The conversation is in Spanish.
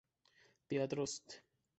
Teatro St.